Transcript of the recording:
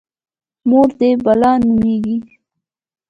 _مور دې بلا نومېږي؟